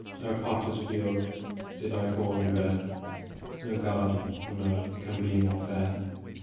O potter s field, did I call you bare ? No garden on earth can be more fair